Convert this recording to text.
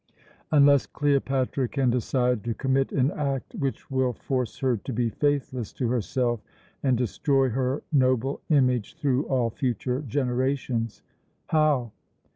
"Unless Cleopatra can decide to commit an act which will force her to be faithless to herself, and destroy her noble image through all future generations." "How?"